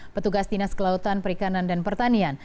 petugas dinas kelautan perikanan dan pertanian